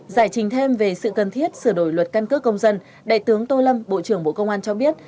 giải trình thêm về sự cần thiết sửa đổi luật căn cước công dân đại tướng tô lâm bộ trưởng bộ công an cho biết